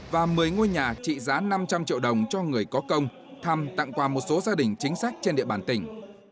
và một mươi ngôi nhà trị giá năm trăm linh triệu đồng cho người có công thăm tặng quà một số gia đình chính sách trên địa bàn tỉnh